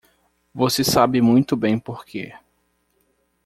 Você sabe muito bem porque.